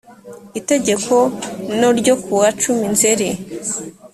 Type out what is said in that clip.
itegeko no ryo kuwa cumi nzeri